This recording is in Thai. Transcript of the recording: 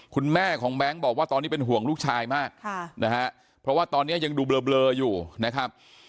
คุณแม่ของแบงค์บอกว่าตอนนี้เป็นห่วงลูกชายมากนะฮะเพราะว่าตอนนี้ยังดูเบลออยู่นะครับ